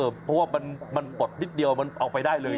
เพราะว่ามันปลดนิดเดียวมันออกไปได้เลย